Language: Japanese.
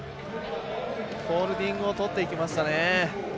ホールディングをとっていきましたね。